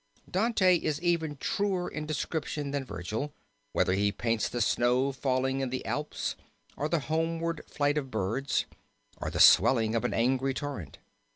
Dante is even truer in description than Vergil, whether he paints the snow falling in the Alps, or the homeward flight of birds, or the swelling of an angry torrent.